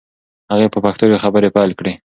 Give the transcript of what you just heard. هغې په پښتو خبرې پیل کړې.